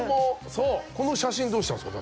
そうこの写真どうしたんですか？